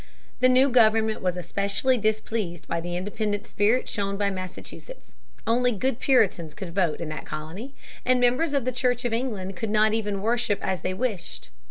The new government was especially displeased by the independent spirit shown by Massachusetts. Only good Puritans could vote in that colony, and members of the Church of England could not even worship as they wished.